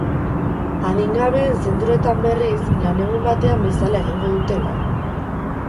Adingabeen zentroetan, berriz, lanegun batean bezala egingo dute lan.